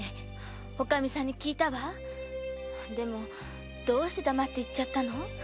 聞いたわでもどうして黙って行っちゃったの？